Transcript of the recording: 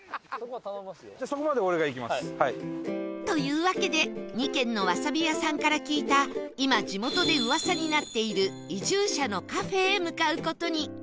というわけで２軒のわさび屋さんから聞いた今地元で噂になっている移住者のカフェへ向かう事に